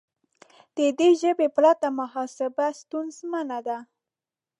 د دې ژبې پرته محاسبه ستونزمنه ده.